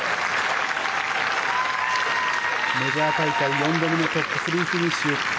メジャー大会４度目のトップ３フィニッシュ。